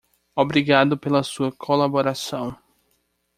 Obrigado pela sua colaboração.